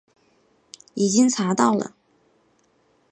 已经查到了